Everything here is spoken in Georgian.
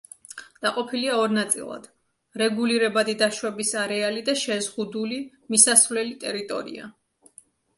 დაყოფილია ორ ნაწილად, რეგულირებადი დაშვების არეალი და შეზღუდული მისასვლელი ტერიტორია.